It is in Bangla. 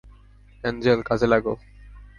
এঞ্জেল, কাজে লাগো।